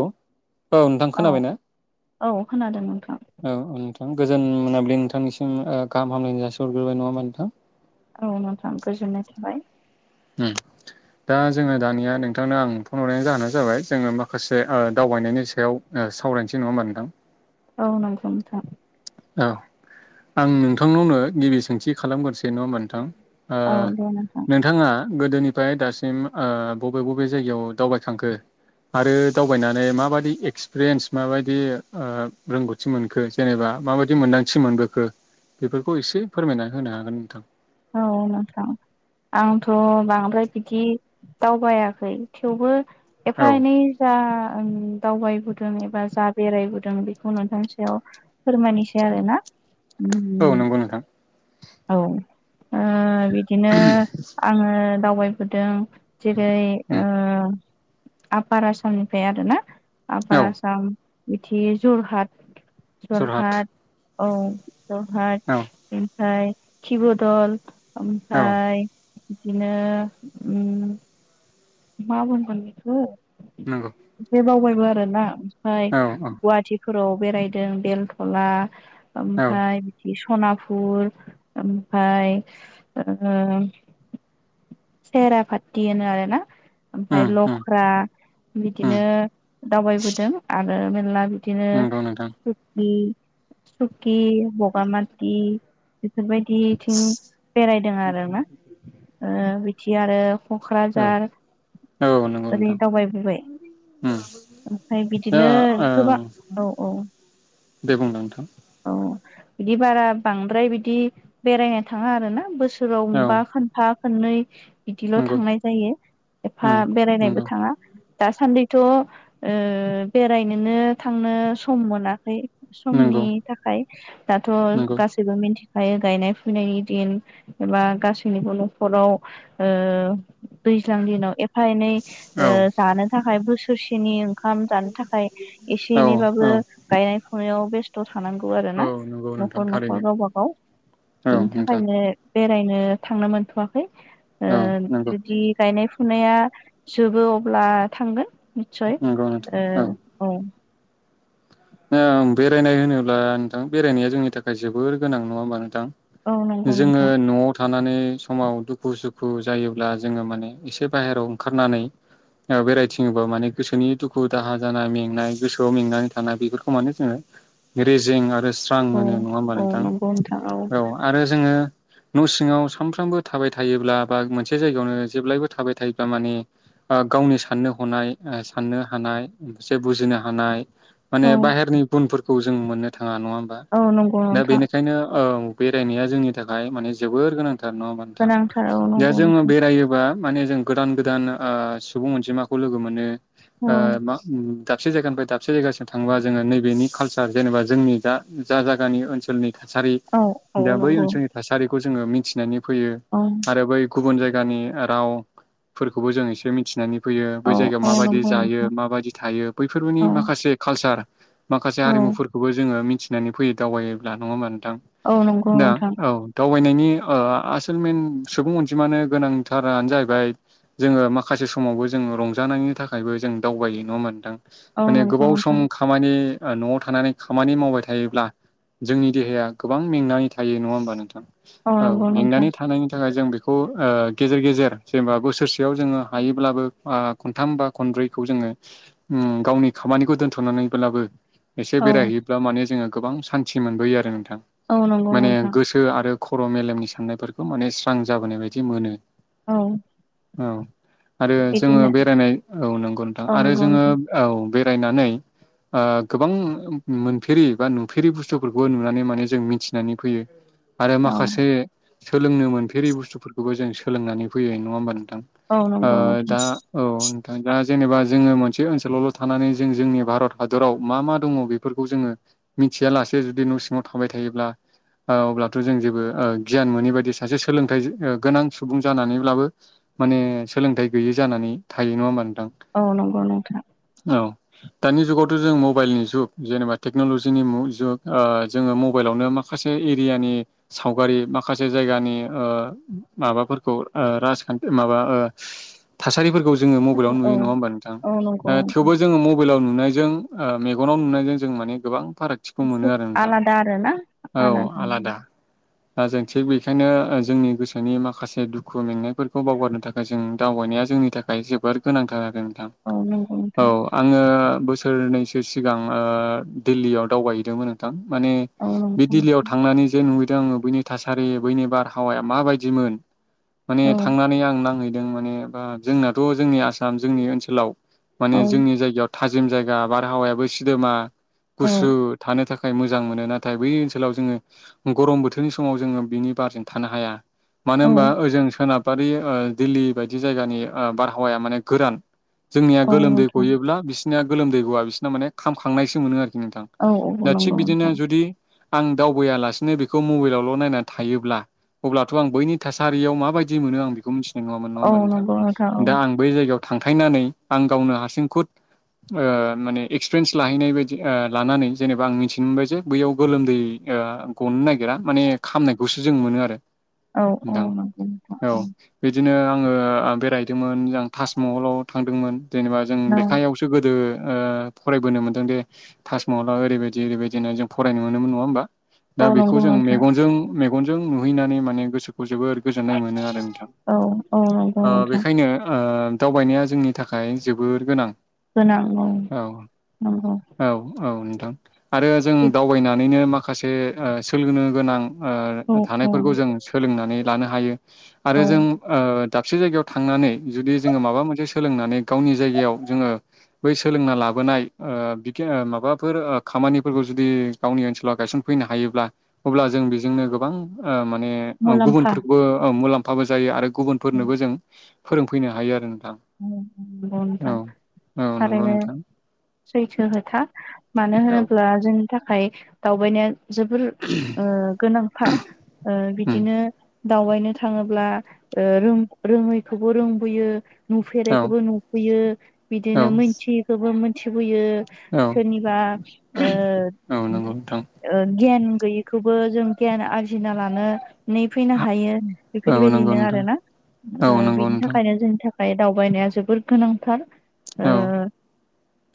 ह औ नोंथां खोनाबायना औ खोनादों नोंथां औ [unintelligible] थां गोजोन मोनाबलि नोंथांनिसिम ओ गाहामलनाय जासि हरग्रोबाय नङा होमबा नोंथां। औ नोंथां गोजोननाय थाबाय। ओम दा जोङो दानिया नोंथांनो आं फन हरनायनि जाहोना जाबाय जोङो माखासे ओ दावबायनायनि सायाव ओ सावरायनोसै नङा होमबा नोंथां? औ नंगौ नोंथां। औ आं नोंथांनावनो गिबि सोंथि खालामग्रोसै नङा नोंथां। ओ औ दे नोंथां नोंथाङा गोदोनिफ्राय दासिम ओ बबे बबे जायगायाव दावबायखांखो। आरो दावबायनानै माबायदि एक्सपिरियेन्स माबायदि रोंगौथि मोनखो जेनेबा। माबायदि मोन्दांथि मोनबोखो बेफोरखौ एसे फोरमायना होनो हागोन नोंथां। औ नोंथां। आंथ' बांद्राय बिदि दावबायाखै थेवबो औ एफा एनि जा दावबायबोदों एबा जा बेरायबोदों बेखौ नोंथांनि सायाव फोरमायनोसै आरोना। औ उम नंगौ नोंथां। औ बिदिनो आङो दावबायबोदों जेरै उम ओ आफपार आसामनिफ्राय आरोना औ आफपार आसाम बिदि जरहाट जरहाट औ जहार औ ओमफ्राय खिर'दल औ ओमफ्राय बिदिनो मा बुंगोन बेखौ नंगौ। एसे बावबायबो आरो ना ओमफ्राय औ औ गुवाहाटिफोराव बेरायदों बेलथला औ ओमफ्राय बिदिस सनाफुर ओमफाय ओ सेरा पाथि होनो आरो ना उम ओमफाय उम लख्रा उम बिदिनो दावबायबोदों आरो मेरला बिदिनो नंगौ नोंथां [unintelligible] सुकि बगा माथि बेफोरबायदिथिं बेरायदों आरोना ओ बिदि आरो औ क'क्राझार औ नंगौ ओरै नोंथां दावबायबोबाय। उम ओमफ्राय दा बिदिनो गोबां औ औ। बे बुंलां नोंथां। औ बिदि बारा बांद्राय बिदि बेरायनो थाङा आरोना बोसोराव औ बबेबा खोनफा खनै बिदिल' नंगौ थांनाय जायो एफा उम बेरायनायबो नंगौ थाङा। दासान्दिथ' ओ बेरायनोनो थांनो सम मोनाखै। नंगौ समनि थाखाय दाथ' नंगौ गासैबो मिथि खायो गायनाय फुनायनि दिन एबा गासैनिबो न'खराव ओ दैज्लां दिनाव एफा एनै औ ओ जानो थाखाय बोस [unintelligible] ओंखाम जानो थाखाय एसे औ एनैबाबो औ गायनाय फुनायाव बेस। थानांगौ आरो औ ना नंगौ नोंथां न'खर न'खर थारैनो गावबा गाव औ बिनि नोंथां थाखायनो बेरायनो थांनो मोनथ'वाखै ओ औ नंगौ जुदि गायनाय फुं फुनाया जोबो अब्ला थांगोन निस्सय नंगौ नोंथां ओ औ। ओ बेरायनाय होनोब्ला नोंथां बेरायनाया जोंनि थाखाय जोबोर गोनां नङा होमबा नोंथां। औ नंगौ जोङो नोंथां। न'आव थानानै समाव दुखु सुखु जायोब्ला जोङो माने एसे बाहेरायाव ओंखारनानै ओ बेरायथिङोबा माने गोसोनि दुखु दाहा जानानाय मेंनाय गोसोआव मेंनानै थाना बे फोरखौ माने जोङो रेजें आरो‌ स्रां औ मोनो नङा होमबा औ नोंथां नंगौ नोंथां औ आरो जोङो न' सिङाव सानफ्रामबो थाबाय थायोब्ला बा मोनसे जायगायावनो जेब्लायबो थाबाय थायोब्ला माने ओ गावनि साननो ओ हनाय साननो हानाय मोनसे बुजिनो हानाय माने बाहेरनि गुनफोरखौ जों मोननो थाङा नङा होमबा औ नंगौ दा नोंथां बेनिखायनो ओव बेरायनाया जोंनि थाखाय माने जोबोर गोनांथार नङा होनबा नोंथां गोनांथार औ दा नंगौ जोङो नोंथां बेरायोबा माने जों गोदान गोदान ओ सुबुं अनजिमाखौ लोगो मोनो औ ओ मा उम दाबसे जायगानिफ्राय दाबसे जायगासिम थाङोबा जोङो नैबेनि कालचार जेनेबा जोंनि जा जायगानि ओनसोलनि थासारि औ औ दा बै नंगौ ओनसोलनि थासारिखौ जोङो मिथिनानै फैयो औ आरो बै गुबुन जायगानि रावफोरखौबो जों एसे मिथिनानै फैयो औ बै जायगायाव औ माबायदि नंगौ जायो नोंथां माबायदि थायो बैफोरबोनि औ माखासे कालसार। माखासे औ हारिमुफोरखौबो जोङो मिथिनानै फैयो दावबायोब्ला नङा होमबा। थां औ नंगौ ना औ नोंथां दाव। दावबायनायनि ओ आसोल मेन सुबुं अनजिमानो गोनांथारानो जाहैबाय। जोङो माखासे समावबो जोङ रंजानायनि थाखायबो जों दावबायै नङ होमबा नोंथां। औ माने नंगौ गोबाव सम नोंथां खामानि। न'आव थानानै खामानि मावबाय थायोब्ला जोंनि देहाया गोबां मेंनानै थायो नङा होमबा नोंथां। औ नंगौ नोंथां मेंनानै थानायनि थाखाय जों बेखौ। खौ ओ गेजेर गेजेर जेनेबा बोसोरसेयाव जोङो हायोब्लाबो खनथाम बा खनब्रैखौ जोङो। ओम गावनि खामानिखौ दोनथ। थ'नानैब्लाबो एसे औ बेरायहैयोब्ला माने जोङो गोबां सान्थि मोनबोयो आरो नोंथां। औ नंगौ माने नोंथां गोसो आरो खर' मेलेमनि साननायफोरखौ माने स्रां जाबोनाय बायदि मोनो। औ। औ आरो जोङो बिदिनो बेरायनाय औ नंगौ नोंथां औ आरो नंगौ जोङो नोंथां औ बेरायनानै। ओ गोबां मोनफेरि बा नुफेरि बुस्थुफोरखौ नुनानै माने जों मिथिनानै फैयो। आरो औ माखासे सोलोंनो मोनफेरि बुस्थुफोरखौबो जों सोलोंनानै फैयो नङा होमबानों। थां औ नंगौ ओ नोंथां दा औ। दा जेनेबा जोङो मोनसे ओनसोलावल' थानानै जों जोंनि भारत। हादराव मा मा दङ बेफोरखौ जोङो मिथिया लासे जुदि न' सिङाव थाबाय थायोब्ला। अब्लाथ' जों जेबो गियान मोनै बायदि सासे सोलोंथाइ गोनां सुबुं जानानैब्लाबो। माने सोलोंथाइ गैयि जानानै थायो नङा होम। औ नंगौ नोंथां। दानि जुगाव‌। जों मबाइलनि जुग जेनेबा टेक्न'लजिनि मु- जुग जोङो मबाइलावनो माखासे एरियानि सावगारि माखासे जायगानि ओ- माबाफोरखौ ओ- राजखान्थि माबा ओ थासारिफोरखौ जोङो मबाइलावनो औ नुयो नङा होमबा नोंथां औ नंगौ नंगौ थेवबो जोङो मबाइलाव नुनायजों ओ-मेगनाव नुनायजों जों माने गोबां फारागथिखौ मोनो एसे आरो नोंथां आलादा आरो ना औ आलादा दा जों थिग बेखायनो जोंनि गोसोनि माखासे दुखु मेंनायफोरखौ बावगारनो थाखाय जों दावबायनाया जोंनि थाखाय जोबोर गोनांथार आरो नोंथां औ नंगौ औ नोंथां आङो बो- सोरनैसो सिगां ओ- दिल्लीयाव दावबायहैदोंमोन नोंथां माने औ बे नंगौ नोंथां दिल्लीयाव थांनानै जे नुहै बैनि थासारि बैनि बारहावाया माबायदिमोन माने औ थांनानै आं नांहै -माने एबा जोंनाथ' जोंनि आसाम जोंनि ओनसोलाव माने औ जोंनि जायगायाव थाजिम जायगा- बारहावायाबो सिदोमा गुसु औ थानो थाखाय मोजां मोनो नाथाय बै ओनसोलाव जोङो गरम बोथोरनि समाव जोङो बिनि बारजों थानो हाया मानो औ होनबा ओजों सोनाबारि ओ-दिल्ली बायदि जायगानि ओ-बारहावाया माने गोरान जोंनिया औ गोलोमदै नोंथां गयोब्ला बिसिनिया गोलोमदै गवा बिसिना माने खामखांनायसो मोनो आरो नोंथां औ दा औ थिग नंगौ बिदिनो नोंथां जुदि आं दावबायालासिनो बेखौ मबाइलावल' नायनानै थायोब्ला अब्लाथ' आं बैनि थासारियाव माबायदि मोनो आं बिखौ मिथि नङामोन नङा औ होमबा नोंथां नंगौ दा आं बै जायगायाव थांथायनानै आं गावनो हारसिं खुद ओ-माने एक्सपिरियेन्स लाहैनाय बायदि ओ- लानानै जेनेबा आं मिथिनो मोनबाय जे बैयाव गोलोमदै ओ ओ-गनो नागिरा माने खामनायखौसो जों मोनो आरो औ औ दां नंगौ औ नोंथां बिदिनो ओ बेरायहैदोंमोन जों ताजमहलाव थांदोंमोन जेनेबा जों लेखायाव ओ-ओ फरायबोनो मोन्दोंदि ताजमहललााव ओरैबायदि ओरैबायदिनो जों फरायनो मोनोमोन नङा होमबा दा औ बेखौ नंगौ जों नोंथां मेगनजों मेगनजों नुहैनानै माने गोसो जोबोर गोजोननाय मोनो आरो नोंथां औ औ नंगौ ओ- नोंथां बेखायनो ओ दावबायनाया जोंनि थाखाय जोबोर गोनां औ नंगौ औ औ आरो जों दावबायनानैनो माखासे ओ- सोलोंनो गोनां औ ओ- औ थानायफोरखौ जों सोलोंनानै लानो हायो आरो औ जों ओ दाबसे जायगायाव थांनानै जुदि जोङो माबा मोनसे सोलोंनानै गावनि जायगायाव जोङो। बै सोलोंना लाबोनाय ओ- बिगि-ओ-माबाफोर-ओ खामानिफोरखौ जुदि गावनि ओनसोलाव गाय सनफैनो हायोब्ला अब्ला जों बिजोंनो गोबां ओ माने मुलाम्फा गुबुनफोरखौबो मुलाम्फाबो जायो आरो गुबुनफोरनोबो जों फोरोंफैनो हायो आरो नोंथां औ नंगौ औ नोंथां औ नंगौ थारैनो नोंथां सैथो खोथा। मानो औ होनोब्ला जोंनि थाखाय दावबायनाया जोबोर ओ- गोनांथार ओ- उम बिदिनो। दावबायनो थाङोब्ला ओ- रोङैखौबो रोंबोयो। औ नुफेरैखौबो नुफैयो औ बिदिनो मोनथियैखौबो मोनथिबोयो। औ सोरनिबा औ नंगौ नोंथां ओ-ओ गियान गैयैखौबो जों गियान आरजिना लानो नै फैनो हायो औ नंगौ बेफोरबायदिनो नोंथां आरो ना औ ओ- नंगौ बिनि नोंथां थाखायनो जोंनि थाख- दावबायनाया जोबोर गोनांथार ओ औ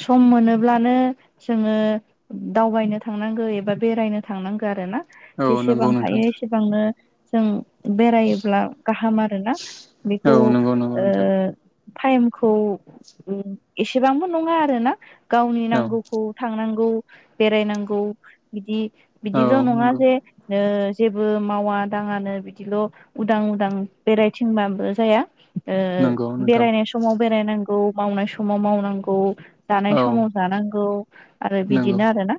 सम मोनोब्लानो जोङो दावबायनो थांनांगौ एबा बेरायनो थांनांगौ आरो ना औ नंगौ जेसेबां नोंथां हायो एसेबांनो जों बेरायोब्ला गाहाम आरोना औ बेखौ। ओ [unintelligible] टाइमखौ ओ- एसेबांबो नङा आरो ना। गावनि औ नांगौखौ थांनांगौ बेरायनांगौ बिदि। औ बिदिल' नङा नंगौ जे ओ जेबो मावा दाङानो बिदिल' उदां उदां बेरायथिंबाबो जाया नंगौ नोंथां बेरायनाय समाव बेरायनांगौ मावनाय समाव मावनांगौ। जानाय औ समाव जानांगौ आरो नंगौ बिदिनो आरो ना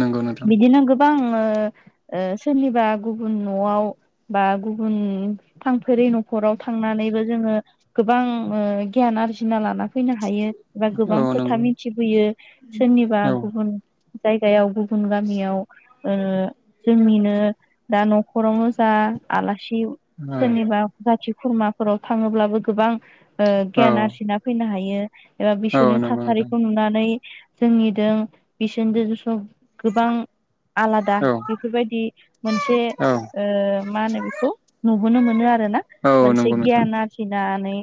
नंगौ नोंथां बिदि नांगौ। गोबां सोरनिबा गुबुन न'आव बा गुबुन थां फेरै न'खराव थांनानैबो जोङो गोबां गियान आरजिना लाना फैनो हायो एबा गोबां औ खोथा नंगौ मिथिफैयो सोरनिबा औ गुबुन जायगायाव गुबुन गामियाव जोंनिनो। दा न'खरावनो जा आलासि सोरनिबा जाथि खुरमाफोराव थाङोब्लाबो गोबां औ गियान आरजिना फैनो हायो। एबा बिसोरनि औ नंगौ नोंथां थासारिखौ नुनानै जोंनिदों बिसोरनिजों। गोबां आलादा औ बेफोरबायदि मोनसे औ मा होनो बेखौ नु नो मोनो आरो ना औ मोनसे नंगौ नोंथां गियान आरजिनानै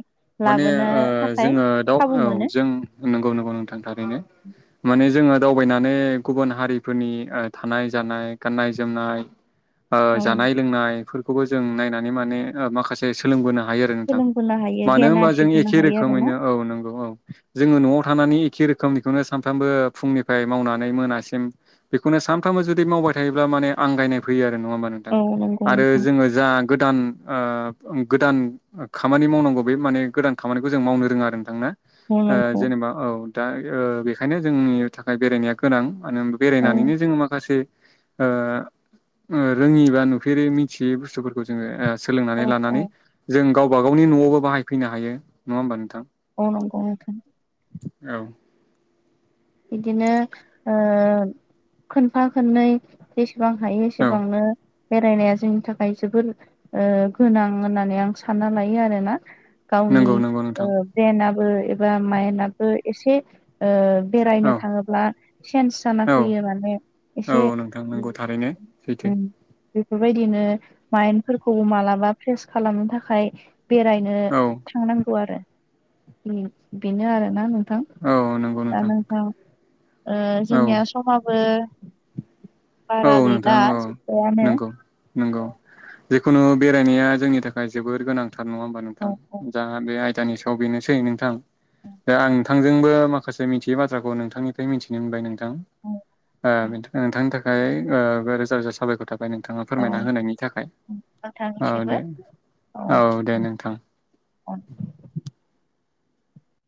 माने लाबोनो थाखाय जोङो दाउ खाबु औ मोनो जों नंगौ नंगौ नोंथां थारैनो माने। जोङो दावबायनानै गुबुन हारिफोरनि थानाय जानाय गाननाय जोमनाय औ जानाय लोंनायफोरखौबो जों नायनानै माने माखासे सोलोंबोना सोलोंबोनो हायो। मानो गियान होनबा जों आरजिबोनो एखे हायो आरोना रोखोमैनो औ नंगौ औ जोङो। न'आव थानानै एखे रोखोमनिखौनो सामफ्राबो फुंनिफ्राय मावनानै मोनासिम बेनो सामफ्राबो जुदि मावबाय थायोब्ला माने आंगायनाय फैयो आरो नङा होमबा नोंथां औ नंगौ आरो नोंथां जोङो जा गोदान गोदान खामानि मावनांगौ बे माने गोदान खामानिखौ जों मावनो रोङा आरो नोंथां। औ नंगौ जेनेबा औ दा बेखायनो जोंनि थाखाय बेरायनाया गोनां। मानो होन औ बेरायनानैनो जोङो माखासे रोङि बा नुफेरै मिथियै बुस्थुफोरखौ जोङो। औ सोलोंनानै औ लानानै जों गावबा गावनि न'आवबो बाहायफैनो हायो नङा होमबा नोंथां। अ नांगौ औ। औ बिदिनो ओ खोनफा खननै बेस बेसेबां हायो औ एसेबांनो, बेरायनाया जोंनि थाखाय जोबोद ओ गोनां होननानै आं सानना लायो आरोना? गावनि नंगौ नंगौ नोंथां ओ ब्रेनाबो एबा मायेनाबो एसे ओ औ बेरायनो थाङोब्ला चेन्ज जाना औ फैयो माने एसे, औ नोंथां नंगौ थारैनो सैथो उम बेफोरबायदिनो माइन्दफोरखौबो मालाबा फ्रेश खालामनो थाखाय, बेरायनो औ थांनांगौ आरो उम बेनो आरोना नों नोंथां औ नंगौ दा नोंथां ओ औ जोंनिया समाबो, औ बारा गै नोंथां औ नंगौ नंगौ जिखुनु बेरायनाया जोंनि थाखाय जोबोर गोनांथार नङा होमबा औ नोंथां औ जाहा बेहाय। [unintelligible] बेनोसै नोंथां औ दा आं नोंथां, जोंबो माखासे मिथियै बाथ्राखौ नोंथांनिफ्राय मिथिनो मोनबाय नोंथां औ ओ नोंथांनि थाखाय, ओमफ्राय रोजा रोजा साबायखर थाबाय नोंथाङा फोरमायना औ होनायनि थाखाय, औ नोंथांनिसिबो दे औ दे नोंथां औ